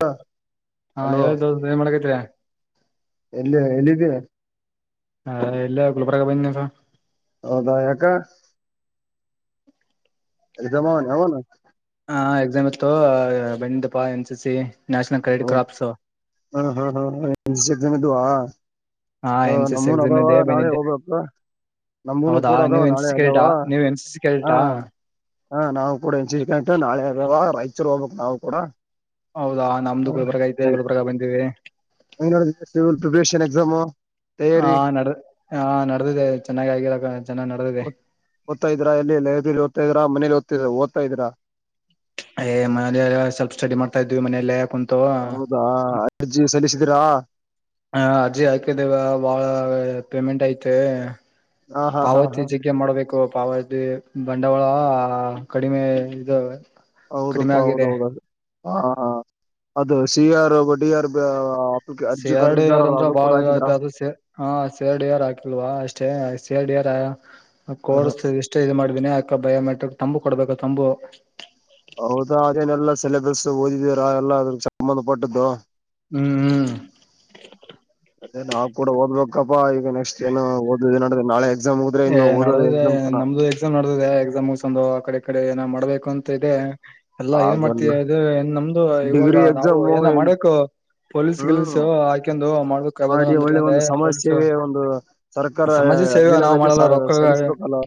ಹ ಹಾ ಹಲೋ ಹೇಳಿ ದೋಸ್ತ್ ಏನ್ ಮಾಡಕೈತ್ರಿ ಎಲ್ಲಿ ಎಲ್ಲಿದ್ದ ಹ ಎಲ್ಲ ಗುಲ್ಬ್ರಗ ಬ ಹೌದಾ ಯಕ ಜಮಾವಣ ಅವವಾನ ಹ ಎಕ್ಸಾಮ್ ಇತ್ತು ಬಂಡಿದಪ್ಪಾ N C C national credit crops ಹಾ ಹಾ ಹಾ ಹ ಎದುುವ ಹಾ ಹ ಎನ್ ಸಿ ಸಿ ನಮ್ಮೂನ್ ಎಕ್ಸಾಮ್ ಅದಾವ ಇದೆ ನಾಳೆ ಬಂದಿದ್ದೆ ಹೋಗ್ಬೇಕ ನಮ್ಮ್ೂನು ಹೌದಾ ಕೂಡ ಅದಾವ ನೀವ್ ಎನ್ ಸಿ ನಾಳೆ ಸಿ ಅದಾವ ಕ್ಯಾಡೆಟಾ ನೀವ್ ಎನ್ ಸಿ ಸಿ ಹಾ ಕ್ಯಾಡೆಟಾ ಹಾ ನಾವವು ಕೂಡ ಎ ನಾೆ ಆದ ರೈಚೂರು ಹೋಗ್ಬೇಕಕ್ ನಾವು ಕೂಡ ಹೌದಾ ನಮ್ದು ಗುಲ್ಬರ್ಗ ಇದ್ದದೆ ಗುಲ್ಬರ್ಗ ಬಂದಿವವಿ ನೋಡಲ್ ಪ್ರಿಪರೇಷನ್ ಎಕ್ಸಾಮು ಹಾ ತಯಾರಿ ನಡ ಹ ನಡೆದಿದೆ ಚೆನ್ನಾಗ ಆಗಿರಕ ಚೆನ್ನಾಗ್ ನಡೆದಿದೆ ದ್ತ ಇದ್ರಾಲ್ಲಿ ಲೈಬ್ರಲಿ ಓದತ ಇದ ಮೇಲಿಓದ್ತ ಓದತ ಇದೀಾ ಏ್ ಮನಲ್ಲ ಸ್ವಲ್ಪ್ ಸ್ಟಡಿ ಮಾಡ್ತಾ ಇದ್ವಿ ಮನೆಯಲ್ಲ ಯಾಕ ಕುಂತು ಾ ಅಜ್ಜಿ ಸಲ್ಲಿಸಿದೀರಾ ಹ ಅರ್ಜಿ ಹಾಕಿದ್ದವ ಭಾಳ ಪೇಮೆಂಟ್ ಐತೆ ಹಾ ಹಾ ಹಾ ಪಾವತಿ ಹಾ ಜಗ್ಗೆ ಮಾಡ್ಬೇಕು ಪಾವತಿ ಅ ಬಂಡವಾಳ ಕಡಿಮೆ ಇದೆ ಹೌದಪ್ಪಾ ಹೌದೌದ ಅದು ಹ ಅದು ಸಿಿಯಾರ್ ಬಡಿಯಾರ್ ಬ ಎರಡು ಯಾರು ಅಂದ್ರ ಬಾಳ ಅ್ರ ಹಾ ಶೇರ್ಡ್ ಇರ್ ಹಾಕಿಲ್ವಾ ಅಷ್ಟೇ ಶೇರ್ಡ್ ಇರ್ ಕೋರ್ಸ್ ಎಷ್ಟೇ ಇ ಮಾಡ್ಬಿನಿ ಬಯೋಮೆಟ್ರಿಕ್ ತಂಬು ಕೊಡ್ಬೇಕ ತಂಬು ಹೌದಾ ಅದೇನೆಲ್ಲಾ ಸಿಲೆಬಸ್ ಓದಿದೀರಾ ಎಲ್ಲ ಅದ್ರ ಸಂಬಂಧಪಟ್ಟದ್ದು ಹ್ಮ್ ಹ್ಮ್ ಅದೇ ನಾವವು ಕೂಡ ಓದ್ಬೇಕಪ್ಪಾ ಈಗ ನೆಕ್ಸ್ಟ್ ಏನು ಓದ ನೋಡ್ರೆ ನಾಳೆ ಎಕ್ಸಾಮ್ ಹೋದ್ರೆ ಇನ್ನು ಏ್ ಓದೋದ ನಡದಿದೆ ಎಕ್ಸಾಮ್ ತನ ನಮ್ದು ಎಕ್ಸಾಮ್ ನಡ್ದದೆ ಎಕ್ಸಾಮ್ಂದು ಆ ಕಡೆ ಕಡೆ ಏನ ಮಾಡ್ಬೇಕು ಅಂತ ಇದೆ ಎಲ್ಲಾ ಏನ್ ಮಾಡ್ತ ಆಗಲ್ಲ ಅ ಏನ್ ನಮ್ದು ಇವಾಗ ಡಿಗ್ರಿ ನಾವು ಎಕ್ಸಾಮ್ ಏನ ಮಾಡಕು ಪೊಲೀಸ್ ಹ್ಮ್ ಲ್ಸು ಆಾಕಂದು ಮಾಡ್ಬೇಕ ಮಾಡಿ ಒಳ್ಳೆ ೆ ಒಂದು ಸಮಾಜ ಅವ ಸೇವೆ ಒಂದು ಸರ್ಕಾರ ಸಮಾಜ ಸೇವೆ ನಾ ಅಧೀನದಲ್ಲಿ ೊ ಸ ಸಲ್ಲಿಸ್ಬೇಕಲ್ಲ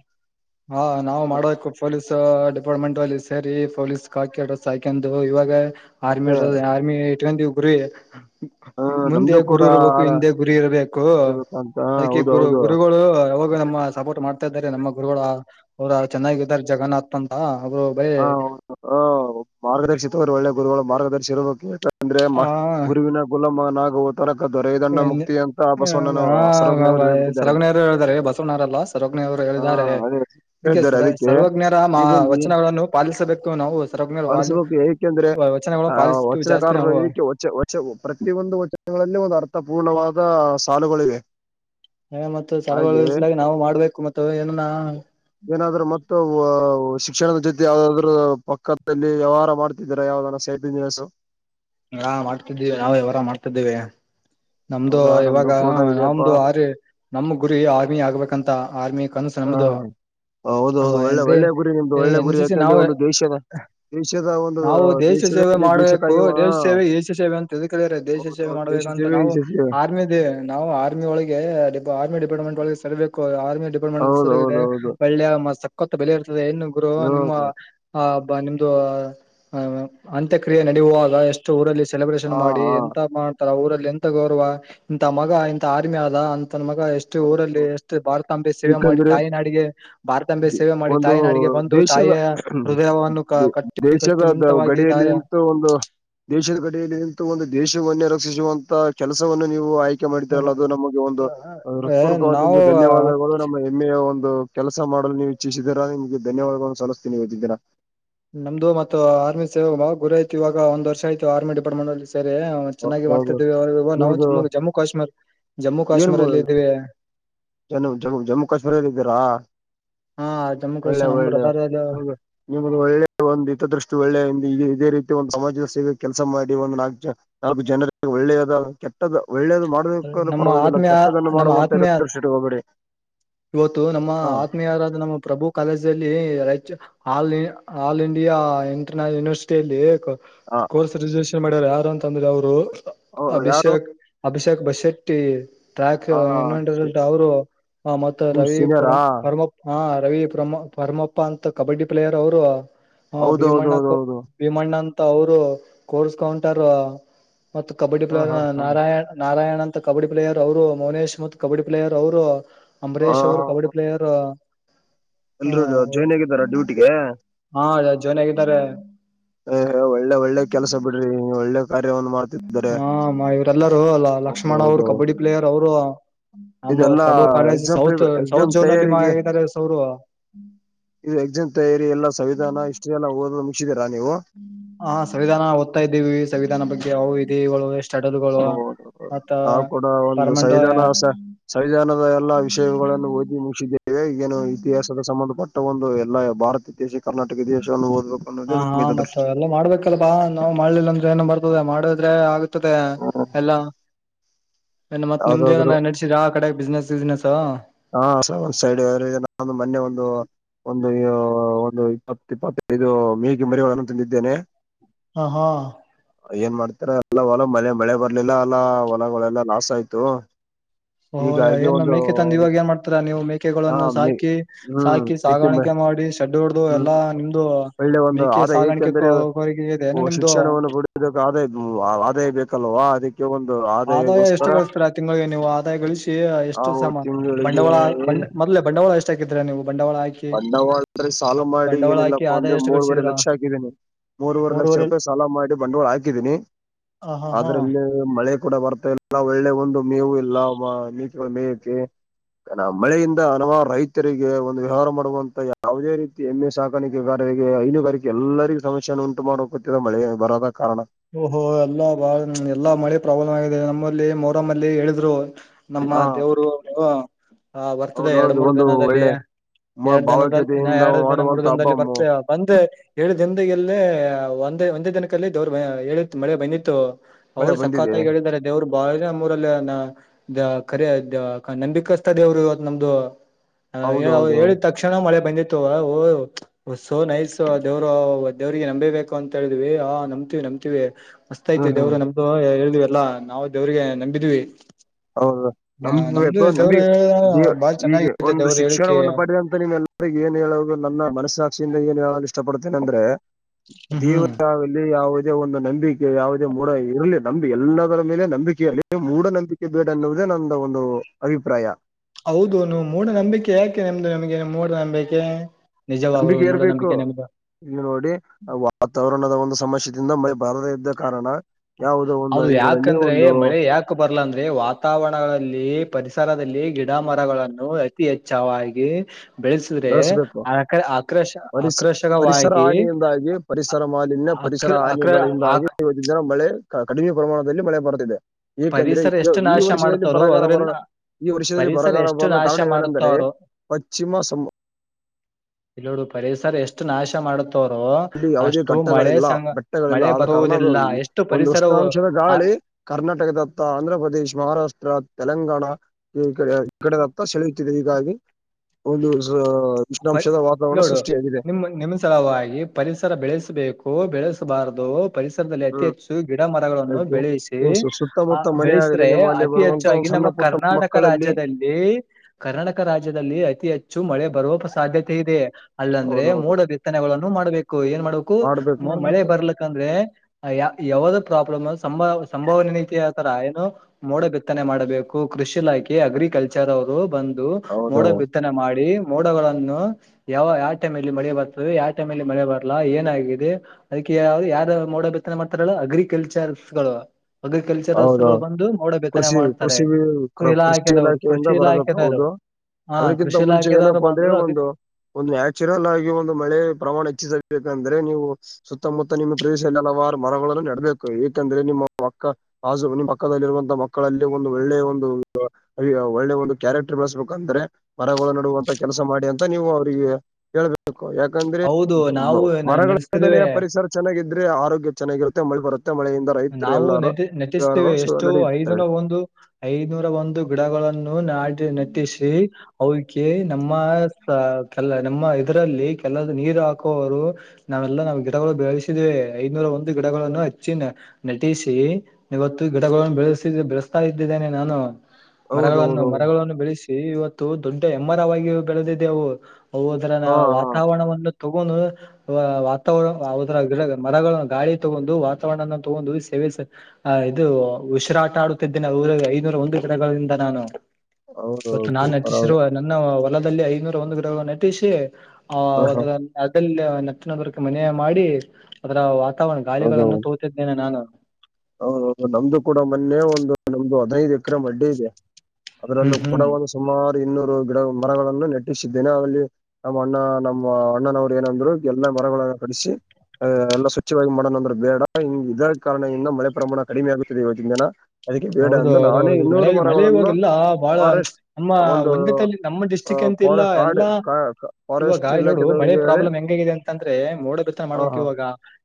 ಹ ನವು ಹ್ಮ್, ಮಾಡ ಪೊಲೀಸ್ ಡಿಪಾರ್ಟ್ಮೆಂಟ್ ಅಲ್ಲಿ ಸೇರಿ ಪೊಲೀಸ್ ಹಾಕಿಡೋ ಹಾಕೊಂಡು ಇವಾಗ ಆರ್ಮಿ ಮತ್ತೆ ಆರ್ಮಿ ಇಟ್ಕೊಂಡ ಉಗರು ಹ ಮುಂದೆ ನಮ್ದು ಕೂಡ ಗುರಿ ಇರ್ಬೇಕು ಹಿಂದೆ ಗುರಿ ಇರ್ಬೇಕು ಇರ್ಬೇಕಂತ ಅದಕ್ಕೆೆ ಹೌದು ಗುರು ಹೌದು ಗುರುಗಳು ಯ ಸಪೋರ್ಟ್ ಮಾಡ್ತಾ ಇದಾರೆ ನಮ್ಮ ಗುರುಗಳ ಅವರು ಚೆನ್ನಾಗಾರೆ ಜಗನ್ನಾಥ್ ಅಂತ ಅವರು ಬರ ಹ ಹ ಮಾರ್ಗದರ್ಶಿತವರು ಒಳ್ಳೆ ಗುರುಗಳು ಮಾರ್ಗದರ್ಶಿರ ಯಾಕಂದ್ರೆ ಗುರುವಿನ ಗುಲಮ್ಮನಾಗವ ಸರೋಜ್ಞ ಅವರು ಹೇಳ್ಬಿಟ್ಟಿದ್ದಾರೆ ಸರಗನರು ಹೇಳಾರೆ ಬಸವನಾರಲ್ಲ ಸರ್ವಜ್ಞ ಅವರು ಹ ಹೇಳಿದ್ದಾರೆ ಅದೇ ಅದಕ್ಕೆ ಹೇಳಿದ್ದಾರೆ ಸರ್ವಜ್ಞರ ವಚನಗಳನ್ನು ಪಾಲಿಸಬೇಕು ನಾವು ಸರ್ವಜ್ಞರ ವಾಲ್ ಕಾಣಸ್ಬೇಕು ಏಕೆಂದ್ರೆ ವಚನಗಳನ್ನು ಆ ಪಾಲಿಸ್ತೀವಿ ಜಾಸ್ತಿ ವಚನಕಾರರು ನಾವು ಏಕೆ ಪ್ರತಿಯೊಂದು ವಚನಗಳಲ್ಲಿ ಒಂದು ಅರ್ಥಪೂರ್ಣವಾದ ಸಾಲುಗಳಿವೆ. ಅದೆ ಮತ್ತ ಹಾಗೆ [unintelligible] ನಾವು ಮಾಡ್ಬೇಕು ಮತ್ತ ಏನನ. ಏನಾದ್ರೂ ಮತ್ತು ವ ಶಿಕ್ಷಣದ ಜೊ ಯಾವದಾದ್ರು ಪಕ್ಕದಲ್ಲಿ ವ್ಯವಹಾರ ಮಾಡ್ತಿದ್ರ ಯಾವ್ದಾದ್ರು ಸೈಡ್ ಬಿಸಿನೆಸ್ಸು. ಹಾ ಮಾಡ್ತಿದ್ದೀವಿ ನಾವು ವ್ಯವರ ಮಾಡ್ತಿದ್ದೀವಿ. ನಮ್ದು ಹೌದಾ ನಮ್ದು ಇವಾಗ ಕೂಡ ಇದೆಯಪ್ಪಾ ನಮ್ದು ಅರೆ ನಮ್ ಗುರಿ ಆರ್ಮಿ ಆಗ್ಬೇಕಂತ ಆರ್ಮಿ. ಕನಸು ಹ ನಮ್ದು ಓ ಹೌದೌದು ಒಳ್ಳೆ ಏನ್ರಿ ಒಳ್ಳೆ ಗುರಿ ನಿಮ್ದು ಒಳ್ಳೆ ಗುರಿ ಎನ್ಸಿಸಿ ಯಾಕಂದ್ರೆ ನಾವು. ಒಂದು ದೇಶದ ದೇಶದ ಒಂದು ನಾವು ದೇಶ ಸೇವೆ ದೇಶದಲ್ಲಿ ಮಾಡ್ಬೇಕು ದೇಶಕ್ಕಾಗಿ ಆ, ದೇಶ ದೇಶ ಸೇವೆ ಈಶ ಸೇವೆ ಎದುಕ್ ಹೇಳರೆ ದೇಶ ಸೇವೆ ಹೌದೌದು ದೇಶ ಮಾಡ್ಬೇಕು ಅಂತ ಸೇವೆ ನಾವು ದೇಶ ಸೇವೆ ಆರ್ಮಿ ಇದೆ ನಾವು ಆರ್ಮಿ ಒಳಗೆಡಿ ಆರ್ಮಿ ಡಿಪಾರ್ಟ್ಮೆಂಟ್ ಒಳಗೆ ಸರ್ಬೇಕು ಆರ್ಮಿ ಡಿ ಡಿಪಾರ್ಟ್ಮೆಂಟ್ ಸೇರಿದ್ರೆ ಹೌದೌದೌದು ಒಳ್ಳೆಯ ಸಕ್ಕತ್ ಬೆಲೆ ಇರ್ತದೆ ಏನು ಗುರು ನಿಮ್ಮ. ಹ್ಮ್. ಹಬ್ಬಾ ನಿಮ್ದು ಅಂತ್ಯಕ್ರಿಯೆ ನಡೆಯುವಾಗ ಎಷ್ ಊರಲ್ಲಿ ಸೆಲೆಬ್ರೇಷನ್ ಹಾ ಮಾಡಿ. ಹಾ ಎಂತ ಮಾಡ್ತಾರ ಊರಲ್ಲಿ ಎಂತ ಗೌರವ ಇಂಥ ಮಗ ಇಂತ ಆರ್ಮಿ ಆದ ಅಂ ತನ್ನ ಮಗ ಎಷ್ಟು ಊರಲ್ಲಿ ಹೌದು. ಎಷ್ಟು ಭಾ ತಂಬಿ ಸೇವೆ ಮಾಡಿ ಯಾಕಂದ್ರೆ ತಾಯಿನಾಡಿಗೆ ಭಾರತಂಬಿ ದೆ- ಸೇವೆ ಮಾಡಿ ಒಂದು ತಾಯಿ ನಾಡಿಗೆ ಬಂದು ದೇಶದ ತಾಯಿಯ ಹೃದಯವನ್ನು ದೆ- ಕಟ್ಟ ಕಟ್ಟಿ ದೇಶದ ನಿಂತವಾಗಿ ಗಡಿಯಲ್ಲಿ ದಾರ ನಿಂತು ಒಂದು. ದೇಶದ ಗಡಿಯಲ್ಲಿ ನಿಂತು ಒಂದು ದೇಶವನ್ನೇ ರಕ್ಷಿಸುವಂತ ಕೆಲಸವನ್ನು ನೀವು ಆಯ್ ಆಯ್ಕೆ ಮಾಡಿದಿರಲ್ಲ ಅದು ನಮಗೆ ಒಂದು ಹೃತ್ಪೂರ್ಕವವಾಗಿ ನಾವು ನಿಮ್ಗೆ ಧನ್ಯವಾದ. ನಮ್ಮ ಹೆಮ್ಮೆಯ ಒಂದು ಕೆಲಸ ಮಾಡಲು ನೀವು ಇಚ್ಛಿಸಿದರಾ ನಿಮ್ಗೆ ಧನ್ಯವಾದಗಳನ್ನು ಸಲ್ಲಿಸ್ತೀನ ಇವತ್ದಿನ. ನಮ್ದು ಮ ಮತ್ತು ಆರ್ಮಿ ಸೇವೆ ಗುರಿಐತಿ ಇವಾಗಂದ ವರ್ಷ ಆಯ್ತು ಆರ್ಮಿ ಡಿಪಾರ್ಟ್ಮೆಂಟ್ ಅಲ್ಲಿ ಸೇರಿ ಮ ಚೆನ್ನಾಗಿ ಹೌದೌದು ಮಾಡ್ತಾದ್ದೀವಿ ನಾವು ನಿಮ್ದು ಜಮ್ಮು ಜಮ್ಮು ಕಾಶ್ಮೀರ್ ಜಮ್ಮು ಕಾಶ್ಮೀರ ಅಲ್ಲಿ ಇದ್ದೀವಿ. ಜಮ್ಮ ಜಮ್ಮ ಜಮ್ಮು ಕಾಶ್ಮೀರದಲ್ಲಿ ಇದ್ದೀರಾ ಹಾ ಜಮ್ಮು ಒಳ್ಳೆ ಕಾಶ್ಮೀರ ನಮ್ ಒಳ್ಳೆ. ಬ್ರದರ್ ನಿಮದು ಒಳ್ಳೆ ಒಂದು ಹಿತದೃಷ್ಟಿ ಒಳ್ಳೆ ಇದೇ ರೀತಿ ಒಂದು ಸಮಾಜದ ಸೇವೆ ಕೆಲಸ ಮಾಡಿ ಒಂದು ನಾಲ್ಕು ಜನಕ್ ನಾಲ್ಕು ಜನರಿಗೆ ಒಳ್ಳೇದ ಕೆಟ್ಟದ ಒಳ್ಳೇದು ಮಾಡ ನಮ್ಮ ಆತ್ಮೀ ನಮ್ಮ ಆತ್ಮೀಯ. ಹಿತದೃಷ್ಟಿ ಇಟ್ಕೋಬೇಡಿ ಇವತ್ತು ನಮ್ಮ ಹಾ ಆತ್ಮೀಯಾರಾದ ನಮ್ಮ ಪ್ರಭು ಕಾಲೇಜಲ್ಲಿ ರಾಯ್ ಆಲ್ ಇ ಆಲ್ ಇಂಡಿಯಾ ಇಂಟರ್ಲ್ ಯೂನಿವರ್ಸಿಟಿ ಅಲ್ಲಿ. ಹ ಕೋರ್ಸ್ ರಿಸರ್ವ್ಯೇಷನ್ ಮಾಡರೇ ಯಾರು ಅಂತಂದ್ರೆ ಅವರು ಅವ್ ಯಾರು ಅಭಿಷೇಕ್ ಅಭಿಷೇಕ್ ಬಶೆಟ್ಟಿ. ಟ್ರ್ಯಾಕ್ ಆ ಇನ್ವೆಂಟರ್ ಸಿ- ಅವರು ಮತ್ತ ನಿಮ್ ರವಿ ಪರ ಸೀನಿಯರಾ ಪರಮ. ಹಾ ರವಿ ಪ್ರಮ ಪರಮಪ್ಪ ಅಂತ ಕಬಡ್ಡಿ ಪ್ಲೇಯರ್ ಅವರು ಹೌದು ಹೌದು ಭೀಮಣ್ಣ ಹೌದು ಕೋ ಹೌದು ವಿಮಣ್ಣ ಅಂತ ಅವರು ಕೋರ್ಸ್ಕೌಂಟಾರ ಮತ್ತು ಕಬಡ್ಡಿ ಹಾ ಪ್ಲೇಯರ್ ಹಾ ಹಾ ನಾರಾಯಣ. ನಾರಾಯಣ ಅಂತ ಕಬಡ್ಡಿ ಪ್ಲೇಯರ್ ಅವರು ಮೌನೇಶ್ ಮತ್ತು ಕಬಡ್ಡಿ ಪ್ಲೇಯರ್ ಅವರು. ಹಾ, ಅಂಬ್ರೇಶ್ ಅವರು ಕಬಡ್ಡಿ ಪ್ಲೇಯರು. ಎಲ್ರೂ ಜಾಯಿನ್ ಆಗಿದಾರ ಡ್ಯೂಟಿಗೆ. ಹಾ ಜಾಯ್ನ್ ಆಗಿದ್ದಾರೆ ಹ ಒಳ್ಳೆ ಒಳ್ಳೆ ಕೆಲ್ಲಸ ಬಿಡ್ರಿ ಒಳ್ಳೆ. ಕಾರ್ಯವನ್ನು ಮಾಡ್ ಹ ಇವ್ರಲ್ಲಾರೂ ಅಲ್ಲ ಹೌದು ಲಕ್ಷ್ಮಣ ಹೌದು ಅವ್ರು ಕಬಡ್ಡಿ ಪ್ಲೇಯರ್ ಅವರು. ನಮ್ಮ ಇದೆಲ್ಲಾ Prabhu college exam pre south exam south zone ತಯಾರಿಗೆ ಮಾಯಾಗಿದರೆ ಸ ಅವರು. ಇದು ಎಕ್ಸಾಮ್ ತಯಾರಿ ಎಲ್ಲಾ ಸಂವಿಧಾನ ಹಿಸ್ಟರಿ ಎಲ್ಲ ಓದೋದ್ ಮುಗಸಿದೀರಾ ನೀವು. ಹ ಸಂವಿಧಾನ ಓದ್ತಾ ಇದ್ದೀವಿ ಸಂವಿಧಾನ ಬಗ್ಗೆ ಅವು ವಿಧಿಗಳು ಎಷ್ಟು. ಹೌದು ನಾವು ಕೂಡ ಒಂದು ಪರ್ಮಂಡ ಸಂವಿಧಾನವಸ. ಸಂವಿಧಾನದ ಎಲ್ಲಾ ವಿಷಯಗಳನ್ನು ಓದಿ ಮುಗಿಸಿದ್ದೇವೆ ಈಗ ಏನು ಇತಿಹಾಸದ ಸಂಬಂಧಪಟ್ಟ ಒಂದು ಎಲ್ಲಾ ಭಾರತ ದೇಶ ಕರ್ನಾಟಕ ದೇಶವನ್ನು ಓದಬೇಕು ಅನ್ನೋೇ ನಮ್ಮ ದೃಷ್ಟ್ಯ ಲ್ ಬಾ ನಾ್ ಮಾಡ್ಲಿಲ್ಲ ಅಂತ ಏನು ಬರ್ತದೆ ಮಾಡಿದ್ರೆ ಆಗ ತದ್ದೆ ಎಲ್ಲ ಮತ ನಿಮ್ದ ಯಾವ್ದಾದ್ರು ನ ಆ ಕಡೆ ಬಿಸ್ನೆಸ್ ವಿಸ್ನೆಸ್ ಹ ಒಂದ್ ಸೈಡ್ ನೊಂದು ಮೊನ್ನೆ ಒಂದು ಒಂದು ಒಂದು ಇಪ್ಪತ್ತು ಇಪ್ಪತ್ತು ಇದು ಮೇಗೆ ಮರಿವಳನ್ನು ತಂದಿದ್ದೇನೆ ಹಾ ಹಾ ಏನ್ ಮಾಡ್ತಾರ ಎಲ್ಲ ಹೊಲ ಮಳೆ ಮಳೆ ಬರ್ಲಿಲ್ಲ ಎಲ್ಲಾ ಹೊಲಗಳೆಲ್ಲ ಲಾಸ್ ಆಯ್ತು ಓಹ ಹೀಗಾಗಿ ಏನು ಒಂದು ಮೇಕೆ ತಂದು ಇವಾಗ ಏನ್ ಮಾಡ್ತಾರಾ ನೀವು ಆ ಮೇಕೆಗಳನ್ನು ಮಿ ಸಾಕಿ ಹ್ಮ್ ಸಾಕಿ ಮಿಕ್ಕಿ ಮ ಸಾಗಾಣಿಕೆ ಮಾಡಿ ಶೆಡ್ ಹೊಡ್ದು ಹ್ಮ್ ಎಲ್ಲಾ ನಿಮ್ದು ಒಳ್ಳೆ ಒಂದು ಮೇಕೆ ಆದಾಯ ಸಾಗಾಣಿಕೆ ರಿಗೆ ಇದೆ ನಿಮ್ದು ಇದಕ್ಕೆ ಆದಾಯ ಆದಾಯ ಬೇಕಲ್ವಾ ಅದಕ್ಕೆ ಒಂದು ಆದಾಯ ಎಷ್ಟು ಆದಾಯಗೋಸ್ಕರ ಗಳಿಸ್ತೀರಾ ತಿಂಗಳಿಗೆ ನೀವು ಆದಾಯ ಗಳಿಸಿ ಎಷ್ಟು ನಾವು ಸಮ ತಿಂಗಳಿಗೆ ಬಂಡವಾಳ ಮೊದಲೇ ಬಂಡವಾಳ ಎಷ್ಟ ಕಿದ್ರೆ ನೀವು ಬಂಡವಾಳ ಹಕಿ ಬಂದಾವ್ ಸಾಲು ಮಾಡಿ ಏನಿಲ್ಲಪ್ಪ ಅಂದ್ರೆ ಆದಾಯ ಎಷ್ಟು ಮೂರವರೆ ಗಳಿಸಿದ್ರ ಲಕ್ಷ ಆಗಿದ್ದೇನೆ ಮೂರವರೆ ಲಕ್ಷ ಮೂರುವರೆ ರೂಪಾಯಿ ಸಾಲ ಮಾಡಿ ಬಂಡವಾಳ ಹಾಕಿದೀನಿ ಹ ಹಾ ಹಾ ಅದ್ರಲ್ಲಿ ಮಳೆ ಕೂಡ ಬರ್ತಾ ಇಲ್ಲ ಒಳ್ಳೆ ಒಂದು ಮೇವು ಇಲ್ಲ ನೀಚಗಳ ಮೇಯಕ್ಕೆ ಮಳೆಯಿಂದ ಹನವಾರು ರೈತರಿಗೆ ಒಂದು ವಿಹಾರ ಮಾಡುವಂತ ಯಾವುದೇ ರೀತಿ ಎಮ್ಮೆ ಸಾಕಾಣಿಕೆಗಾರರಿಗೆ ಹೈನುಗಾರಿಕ ಎಲ್ಲರಿಗೂ ಸಮಸ್ಯೆಯನ್ನು ಉಂಟು ಮಾಡುವ ಿದ ಮಳೆ ಬರೋದ ಕಾರಣ ಓಹೋ ಎಲ್ಲಾ ಬಾಳ ಎಲ್ಲಾ ಮಳೆ ಪ್ರಾಬ್ಲಮ್ ಆಗಿದೆ ನಮ್ಮಲ್ಲಿ ಮೊರ್ಲ್ಲಿ ಹೇಳಿದ್ರು ನಮ್ಮ ಹಾ ದೇವರು ನೀವು ಆ ಬರ್ತದೆ ಎರಡ್ ಹೌದೌದು ಮೂರ್ ಒಂದು ದಿನದಲ್ಲಿ ಒಳ್ಳೆ ಎರಡ್ ದಿನದಲ್ಲಿ ಭಾವೈಕ್ಯತೆಯಿಂದ ಎರಡು ದಿನ ಮಾಡುವಂತ ಹಬ್ಬ ಮುರ್ಗನದಲ್ಲಿ ಬರ್ತೇವೆ ಒಂದ ಏಳು ದಿನದ ಎಲ್ಲೇ ಒಂದ ಒಂದೇ ದಿನಕಲ್ಲ ದವ್ರ ಹೇಳಿ ಮಳೆ ಬಂದಿತ್ತು ಮಳೆ ಅವರು ಬಂದಿದೆ ಸಕ್ಕಾತಾಗಿ ಹೇಳಿದ್ದಾರೆ ದೇವ್ರು ಬಾಳ ಮೂಊರಲ್ಲಿ ದ ಕರಿ ನಂಬಿಕಸ್ತ ದೇವರು ಇವತ್ತು ನಮ್ದು ಅ್ರು ಹೌದೌದು ಹೇಳಿ ತಕ್ಷಣ ಮಳೆ ಬಂದಿತ್ತುವ ಓ ಹೊ ಸೋ ನೈಸು ದೇವರು ದೇವ್ರಿಗೆ ನಂಬೇಬೇಕು ಅಂತ ಹೇಳಿದ್ವಿ ಆ ನ ವಿ ನಂಬ್ತಿವಿ ಮಸ್ತ್ ಹ್ಮ್ ಐತಿ ಹ್ಮ್ ದೇವ್ರ ನಮ್ದ ಹೇಳಿದ್ವಿಲ್ಲಾ ನಾವು ದೇವ್ರಿಗೆ ನಂಬಿದ್ವಿ ಹೌದು ನಮ್ದು ನಮ ನ ದೇವ್ರು ಬಾಳ ಈಗೆ ಚೆನ್ನಾಗಿದೆ ಒಂದು ದೇವ್ರ ಹೇಳಿಕೆ ಶಿಕ್ಷಣವನ್ನು ಪಡೆಯಂತ ನಿಮಲ್ಲ ಏನ್ ಹೇಳುದು ನನ್ನ ಮನಸ್ಸಾಕ್ಷಿಯಿಂದ ಏನ್ ಹೇಳದು ಇಷ್ಟ ಪಡ್ತೇನೆ ಅಂದ್ರೆ ಹ್ಮ್ ಹ್ಮ್. ದೀವರಾವದಲ್ಲಿ ಯಾವುದೇ ಒಂದು ನಂಬಿಕೆ ಯಾವುದೇ ಮೂಡ ಇರಲಿ ನ ಎಲ್ಲದರ ಮೇಲೆ ನಂಬಿಕೆ ಮೂಢನಂಬಿಕೆ ಬೇಡ ಅನ್ನುವುದೇ ನನ್ನ ಒಂದು ಅಭಿಪ್ರಾಯ ಹೌದು ನಮ್ ಮೂಢ ನಂಬಿಕೆ ಯಾಕೆ ನಮ್ಗೆ ನಮಗೆ ಮೂಢ ನಂಬಿಕೆ ನಿಜವಾಗ್ಲು ನಂಬಿಕೆ ಮೂಢ ಇರಬೇಕು ನಂಬಿಕೆ ನಿಮ್ದು ಇಲ್ಲಿ ನೋಡಿ ವಾತಾವರಣದ ಒಂದು ಸಮಸ್ಯೆದಿಂದ ಮಳೆ ಬಾರದೆ ಇದ್ದ ಕಾರಣ ಯಾವುದೋ ಒಂದು ಹಳ್ಳಿಗಳಲ್ಲಿ ಒಂದು ಯಾಕ್ ಬರ್ಲ ಅಂದ್ರೆ ವಾತಾವರಣಗಳಲ್ಲಿ ಪರಿಸರದಲ್ಲಿ ಗಿಡ ಮರಗಳನ್ನು ಅತಿ ಹೆಚ್ಚವಾಗಿ ಬೆಳೆಸಿದ್ರೆ ಬೆಳೆಸಬೇಕು ಆ ಕಡೆ ಆಕ್ರಶ ಪರಿಸ ಪರಿಸರ ಆಕ್ರೋಶಕವಾಗಿ ಹಾನಿಯಿಂದಾಗಿ ಪರಿಸರ ಮಾಲಿನ್ಯ ಪರಿಸರ ಹಾನಿಗಳಿಂದಾಗಿ ಆಕ್ ಇವತ್ತಿನ ದಿನ ಮಳೆ ಕಡಿಮೆ ಪ್ರಮಾಣದಲ್ಲಿ ಮಳೆ ಬರ್ತಿದೆ ಏಕಂದ್ರೆ ಪರಿಸರ ಎಷ್ಟು ಈ ನಾಶ ವರ್ಷದಲ್ಲಿ ಮಾಡ್ತಾರೋ ಬರಗಾಲ ಬರೋ ಅದರಿಂದ ಈ ವರ್ಷದಲ್ಲಿ ಪರಿಸರ ಬರಗಾಲ ಎಷ್ಟು ಬಾರಲು ನಾಶ ಕಾರಣವಏನೆಂದರೆ ಮಾಡುತ್ತಾರೋ ಪಶ್ಚಿಮ ಸಮ ಇಲ್ಲ ನೋಡು ಪರಿಸರ ಎಷ್ಟು ನಾಶ ಮಾಡುತ್ತ ಅವರು ಇಲ್ಲಿ ಯಾವುದೇ ಅಷ್ಟು ಮಳೆ ಘಟ್ಟಗಳಿಲ್ಲ ಸಂ ಬೆಟ್ಟಗಳಿಲ್ಲ ಮಳೆ ಆದ ಕಾರಣ ಅದು ಬರುವುದಿಲ್ಲ ಎಷ್ಟು ಒಂದು ಪರಿಸರವು ಉಷ್ಣಾಂಶದ ಆ ಗಾಳಿ ಕರ್ನಾಟಕದತ್ತ ಆಂಧ್ರ ಪ್ರದೇಶ್ ಮಹಾರಾಷ್ಟ್ರ ತೆಲಂಗಾಣ ಈ ಈಡೆ ಈ ಕಡೆ ರತ್ತ ಸೆಳೆಯುತ್ತಿದೆ ಹೀಗಾಗಿ ಒಂದು ಉಷ್ಣಾಂಶದ ವಾತಾವರಣ ಸೃಷ್ಟಿಯಾಗಿದೆ ಹಿತವಾಗಿ ಪರಿಸರ ಬೆಳೆಸಬೇಕು ಬೆಳೆಸಬಾರದು ಪರಿಸರದಲ್ಲಿ ಅತಿ ಹ್ಮ್ ಹೆಚ್ಚು ಗಿಡ ಮರಗಳನ್ನು ಅದಕ್ಕೆ ಬೆಳೆಯಿಸಿ ಸು- ಆ ಸುತ್ತಮುತ್ತ ಮನೆ ಆಗಲಿ ಬೆಳೆಸಿದ್ರೆ ನಿಮ್ಮ ಅಲ್ಲಿ ಅತಿ ಬರುವಂತ ಒಂದು ಹೆಚ್ಚಾಗಿ ನಮ್ಮ ಸಣ್ಣ ಪುಟ್ಟ ಕರ್ನಾಟಕ ಮಕ್ಕಳಲ್ಲಿ ರಾಜ್ಯದಲ್ಲಿ ಲ್ಲಿ ಕರ್ನಾಟಕ ರಾಜ್ಯದಲ್ಲಿ ಅತಿ ಹೆಚ್ಚು ಮಳೆ ಬರುವ ಸಾಧ್ಯತೆ ಇದೆ ಅಲ್ಲಾಂದ್ರೆ ಹೌದೌದು ಮೋಡ ಬಿತ್ತನೆಗಳನ್ನು ಮಾಡ್ಬೇಕು ಏನ್ ಮಾಡ್ಬೇಕು ಮ ಮಳೆ ಬರ್ಲಕ್ಕಂದ್ರೆ ಯಾವ್ದ ಪ್ರಾಬ್ಲಮ್ ಸಂಭ ಸಂಭಾವನೆ ನೀತಿ ಆತರ ಏನು ಮೋಡ ಬಿತ್ತನೆ ಮಾಡಬೇಕು ಕೃಷಿ ಇಲಾಖೆ ಅಗ್ರಿಕಲ್ಚರ್ ಅವರು ಬಂದ ಮೋಡ ಹೌದೌದು ಬಿತ್ತನೆ ಮಾಡಿ ಮೋಡ ನ್ನು ಯಾವ ಯಾವ ಟೈಮ್ಲ್ಲಿ ಮಳೆ ಬರ್ತದೆ ಯಾವ ಟೈಮ್ ಅಲ್ಲಿ ಮಳೆ ಬರ್ಲಾ ಏನಾಗಿದೆ ಅದಕ್ಕೆ ಯಾವ್ದ ಯಾರ ಮೋಡೋ ಬಿತ್ತನೆ ಮಾಡ್ತಾರಲ್ಲ ಅಗ್ರಿಕಲ್ಚರ್ಸ್ಗಳು ಅಗ್ರಿಕಲ್ಚರ್ಸರುಗಳು ಹೌದೌದು ಬಂದು ಮೋಡ ಬಿತನೆ ಕೃಷಿ ಮಾಡ್ತಾರೆ ಕೃಷಿ ಕೃಷಿ ಇಲಾಖೆದವ್ರು ಇಲಾಖೆಯಿಂದ ಕೃಷಿ ಬರಬೇಕು ಹೌದು ಇಲಾಖೆದವರು ಹಾ ಅದಕ್ಕಿಂತ ಕೃಷಿ ಮುಂಚೆ ಇಲಾಖೆದವರು ಏನಪ್ಪಾ ಅಂದ್ರೆ ಬಂದು್ ಒಂದು ನ್ಯಾಚುರಲ್ ಆಗಿ ಒಂದು ಮಳೆ ಪ್ರಮಾಣ ಹೆಚ್ಚಿಸಬೇಕ ಅ್ರೆ ನೀವು ಸುತ್ತಮುತ್ತ ನಿಮ್ಮ ಪ್ರದೇಶದಲ್ಲಿ ಹಲವಾರು ಮರಗಳನ್ನು ನೆಡ್ಬೇಕು ಏಕಂದ್ರೆ ನಿಮ್ಮ ಅಕ್ಕ ಆು ನಿಮ್ಮ ಪಕ್ಕದಲ್ಲಿರುವಂತಹ ಮಕ್ಕಳಲ್ಲಿ ಒಂದು ಒಳ್ಳೆಯ ಒಂದು ಅ ಒಳ್ಳೆ ಒಂದು ಕ್ಯಾರೆಕ್ಟರ್ ಬಳಸ್ಬೇಕಂದ್ರೆ ಮರಗಳ ನಡುವಂತ ಕೆಲಸ ಮಾಡಿ ಅಂತ ನೀವು ಅವ್ರಿಗೆ ಹೇಳ್ಬೇಕು ಬ ಯಾಕಂದ್ರೆ ಹೌದು ನಾವು ನಡೆಸ್ತಿದ್ದೇವೆ ಮರಗಳಂದನೆಯ ಪರಿಸರ ಚೆನ್ನಾಗಿದ್ರೆ ಆರೋಗ್ಯ ಚೆನ್ನಾಗಿರುತ್ತೆ ಮಳೆ ಬರುತ್ತೆ ಮಳೆಯಿಂದ ರೈತರು ನಾವು ಎಲ್ಲಾರು ನಟ ನಟಿಸ್ತೀವಿ ವ್ಯವಹಾರಗಳು ಎಷ್ಟು ಐದನ ನಡೆಯುತ್ತವೆ ಒಂದು ಐನೂರ ಒಂದು ಗಿಡಗಳನ್ನು ನಾಡಿ ನಟ್ಟಿಸಿ ಅವಿಗೆ ನಮ್ಮ ಕೆಲ್ಲ ನಮ್ಮ ಇದ್ರಲ್ಲಿ ಕೆಲದ ನೀರು ಹಾಕುವವರು ನಾವೆಲ್ಲಾ ನಾವವು ಗಿಡಗಳು ಬೆಳೆಸಿದಿವವಿ ಐದನೂರ ಒಂದು ಗಿಡಗಳನ್ನು ಹಚ್ಚಿಿನ ನಟೀಶಿ ಇವತ್ತು ಗಿಡಗಳನ್ನು ಬೆಳೆಸ ಬೆಳೆಸ್ತಾ ಇದ್ದಿದ್ದೇನೆ ನಾನು ಹೌದು ಮರಗಳನ್ನು ಹೌದು ಮರಗಳನ್ನು ಬೆಳೆಸಿ ಇವತ್ತು ದೊಡ್ಡ ಎಮ್ಮರವಾಗಿ ಬೆಳೆದಿದೆೆ ಅವು ಹವುದರ ಹಾ ಹಾ ವಾತಾವರಣವನ್ನು ತಗೊಂಡ ವಾತಾವರಣದರ ಗಿ ಮರ ಗಾಳಿ ತಗೊಂಡು ವಾತಾವರಣ ತಗೊಂದು ಸೇವೆ ಸ ಆ ಇದು ಉಷಿರಾಟ ಆಡುತ್ತಿದ್ದೇನೆ ಅವರು ಐನೂರ ಒಂದು ಗಿಡಗಳಿಂದ ನಾನು ಹೌದು ಇತ್ತು ನಾನ್ ಅತ್ತ ಪರವಾಗಿಲ್ಲ. ಶುರ್ರುವ ನನ್ನ ಹೊಲದಲ್ಲಿ ಐನೂರ ಒಂದು ಗ್ರಹ ನಟಿಸಿ ಆ ಹಾ ಹಾ ಅದ ಅಲ್ಲಿ ನತ್ತನದ್ರಕ ಮನೆ ಮಾಡಿ ಅದರ ವಾತಾವರಣ ಗಾಳಿಗಳನ್ನು ತೋತಿದ್ದೇನೆ ನಾನು ಹ ನಮ್ದು ಕೂಡ ಮೊನ್ನೆ ಒಂದು ನಮ್ದು ಹದಿನೈದು ಎಕರೆ ಅಡ್ಡಿ ಇದೆ ಹ್ಮ್ ಅದ್ರಲ್ಲೂ ಹ್ಮ್. ಕೂಡ ಒ ಸುಮಾರು ಇನ್ನೂರು ಗಿಡ ಮರಗಳನ್ನು ನೆಟ್ಟಿಸಿದ್ದೇನೆ ಅಲ್ಲಿ ನಮ್ಮ್ ಅಣ್ಣ ನಮ್ಮ ಅಣ್ಣನವರು ಏನಂದ್ರು ಎಲ್ಲ ಮರಗಳನ್ನ ಕಡಿಸಿ ಅಹ ಎಲ್ಲ ಸ್ವಚ್ಛವಾಗಿ ಮಾಡೋಣ ಅಂದ್ರೆ ಬೇಡ ಹ್ ಇದರ ಕಾರಣದಿಂದ ಮಳೆ ಪ್ರಮಾಣ ಕಡಿಮೆ ಆಗಿದೆ ಇವತ್ತಿನ ದಿನ ಅದಕ್ಕೆ ಬೇಡ ಹೌದು ಅಂದು ಹೌದು ನಾನೇ ಹೌದು ಮಳೆ ಇನ್ನೂರು ಮಳೆ ಮರಗಳನ್ನು ಹಾಗೆಲ್ಲ ಬಾಳ ಫಾರೆಸ್ಟ್ ನಮ್ಮ ಒಂದು ಒಂದೇ ತ ನಮ್ಮ ಡಿಸ್ಟಿ ಂತ ಫಾರ ಇಲ್ಲ ಕಾಡ್ ಎಲ್ಲಾ ಇವಾಗ ಫಾರೆಸ್ಟ್ ಗಾಯಿ ನೋಡು ಮಳೆ ಇಲಾಖೆದವರಿಗೆ ಹೇಳಿ ಪ್ರಾಬ್ಲಮ್ ಹೆಂಗಗಿದೆ ಅಂತಂದ್ರೆೋಡಬೇಕ ಹಾ ಮಾಡೋಕಕ್ ಹಾ ಇವಾಗ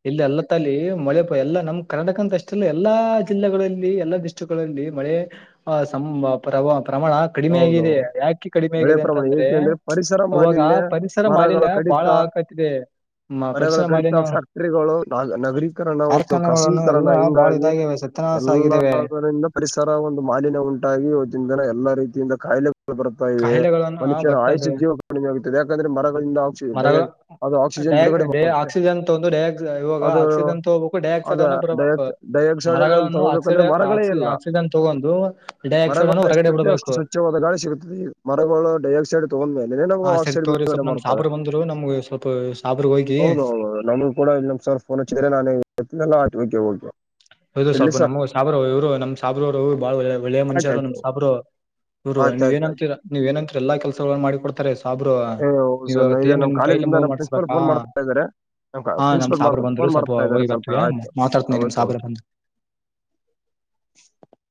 ಇಲ್ಲ ಎಲ್ಲ ತಲ್ಲಿ ಮೊಳೆ ಎಲ್ಲಾ ನಮ್ಮ್ ಕರ್ನಾಕ ಅಂತ ಅಷ್ಟಲ್ಲ ಎಲ್ಲಾ ಜಿಲ್ಲೆಗಳಲ್ಲಿ ಎಲ್ಲಾಿಸ್ಟ ಗಳಲ್ಲಿ ಮಳೆ ಪ್ರಮಾಣ ಕಡಿಮೆ ಹೌದೌದು ಆಗಿದೆ ಯಾಕೆ ಕಡಿಮೆ ಮಳೆ ಆಗಿದೆ ಪ್ರಮಾಣ ಅಂತಂದ್ರೆ ಏಕೆಂದ್ರೆ ಪರಿಸರ ಅವಾಗ ಮಾಲಿನ್ಯ ಪರಿಸರ ಮರಗಳ ಮಾಲಿಿನಯ ಬಾಳ ಕಡಿತ ಆಕ ಇದೆ ಆ ಮರಗಳ ಪರಿಸರ ಕಡಿತ ಮಾಲಿನ್ಯ ಫ್ಯಾಕ್ಟರಿಗಳು ನಾಗ ನಗರೀಕರಣ ಒಂದು ಕಾರ್ಖಾನೆಗಳನ್ನು ಖಾಸಗೀಕರಣ ಎಲ್ಲಾ ಬಾಳ ಹಿಂಗಾಗಿ ಇದಾಗ್ಯಾವೆ ಸರ್. ತನಾ ಸಾಗಿದ್ದೇವೆ. ಎಲ್ಲದರಿಂದ ಪರಿಸರ ಒಂದು ಮಾಲಿನ್ಯ ಉಂಟಾಗಿ ಇವತ್ತಿನ್ ದಿನ ಎಲ್ಲಾ ರೀತಿಯಿಂದ ಕಾಯಿಲೆ ಬರು ತಾ ಇವೆ ಕಾಯಿಲೆಗಳನ್ನು ಆ, ಮನುಷ್ಯನ ಬರ್ತಾ ಆಯುಷ ಇದ್ದಾವೆ ಜೀವ ಕಡಿಮೆ ಆಗುತ್ತದೆ ಯಾಕಂದ್ರೆ ಮರಗಳಿಂದ ಆಕ್ಸಿ ಮರಗಳು ಡೈಯಾ ಅದು ಆಕ್ಸಿಜನ್ ಡೈ ಬಿಡುಗಡೆ ಡೈ ಮಾಡುತ್ತೆ ಆಕ್ಸಿಜನ್ ತಗೊಂಡು ಡೈಆಕ್ ಇವಾಗ ಅದು ಆಕ್ಸಿಜನ್ ತಗೋಬೇಕು ಡೈಆಕ್ಸೈಡ್ ಅದು ಅನ್ನು ಬಿಡಬೇಕು ಡಯಕ್ ಡೈಆಕ್ಸೈಡಲ್ ಅಂತ ಮರಗಳನ್ನು ಆಕ್ಸೈಡ್ ತಗೋಬೇಕಂದ್ರೆ ಮರಗಳೇ ಆಕ್ಸಿ ಇಲ್ಲ ಆಕ್ಸಿಜನ್ ತಗೊಂಡು ಡೈಆಕ್ಸೈಡ್ ಅನ್ನು ಮರಗಳು ಹೊರಗಡೆ ಎಷ್ತಿದ್ವ ಅಷ್ಟು ಬಿಡ್ಬೇಕು ಸ್ವ ಚ್ಚವಾದ ಗಾಳಿ ಸಿಗುತ್ತದೆ ಮರಗಳು ಡೈಆಕ್ಸೈಡ್ ತಗೊಂಡ್ ಮೇಲೆ ಹಾ [unintelligible] ಸರಿ ಅಕ್ಸೈಡ್ ತೋರಿ ಬಿಡುಗಡೆ ಸ್ವಲ್ಪ ನಮ್ ಮಾಡ್ತಾವೆ ಸಾಬ್ರು ಬಂದ್ರು ನಮ್ಗೆ ಸ್ವಲ್ಪ ಸಾಬ್ರ ಹೋಗಿ [unintelligible] ನನಿ ಕೂಡ ಇಲ್ಲ ಸರ್ ಫೋನ್ ಹಚ್ಚಿದ್ರೆ ನಾನ್ [unintelligible] ಓಕೆ ಓಕೆ ಹೌದು ಇಡ್ಲಿ ಸ್ವಲ್ಪ ಸರ್ ನಮ್ ಸಾಬ್ರು ಇವ್ರು ನಮ್ ಸಾಬ್ರರು ಬಾಳ ಒಳ್ಳ ಒಳ್ಳೆಯ ಮನ್ಶ ಆಯ್ತು ಆದಾರ್ ನಮ್ ಆಯ್ತು ಸಾಬ್ರು. ಇವ್ರು ಆಯ್ತು ನೀವ್ ಆಯ್ತು ಏನಂತೀರ ನೀವ್ ಏನಂತೀರಿ ಎಲ್ಲಾ ಕೆಲಸಗಳನ್ನ ಮಾಡಿ ಕೊಡ್ತಾರೆ ಸಾಬ್ರು ಏ ನೀವ್ ಸರ್ ನಾ ಅವ್ರತ್ರ ಇದು ಏನ್ ನಮ್ ನಿಮ್ ಪೈಲ್ ಕಾಲೇಜಿಂದ ಮೂವ್ ನಮ್ ಮಾಡ್ಸ್ ಫೋನ್ ಮಾಡ್ತಾ ಇದಾರೆ ಅ ಪ್ರಿನ್ಸಿಪಲ್ ಸಾಬ್ರು ಮಾಡ್ತ ಬಂದ್ರು ಫೋನ್ ಸ್ವಲ್ಪ ಮಾಡ್ತಾ ಇದ್ದಾರೆ ಹೋಗಿ ಸ್ವಲ್ಪ ಬರ್ತೀವಿ ಆಯ್ತು ಮಾತಾಡ್ತೀನಿ ಹ ನಿಮ್ ಓಕೆ ಸಾಬ್ರ ಓಕೆ. ಬಂದ್